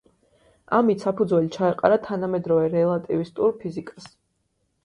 ამით საფუძველი ჩაეყარა თანამედროვე რელატივისტურ ფიზიკას.